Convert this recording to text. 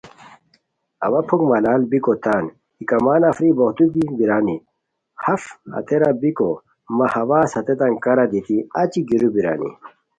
اوا پُھک ملال بیکوتان ای کما نفری بوغدو دی بیرانی، اف ہتیرا بیکو مہ ہواز ہتیتان کارا دیتی اچی گیرو بیرانی